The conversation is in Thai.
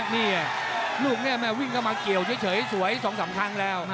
นี่ลูกนี้แม่วิ่งเข้ามาเกี่ยวเฉยสวย๒๓ครั้งแล้ว